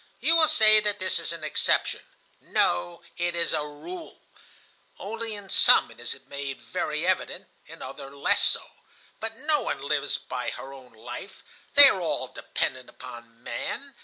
You will say that this is an exception. No, it is a rule. Only in some it is made very evident, in others less so. But no one lives by her own life; they are all dependent upon man.